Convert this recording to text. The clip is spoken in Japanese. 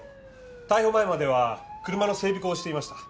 逮捕前までは車の整備工をしていました。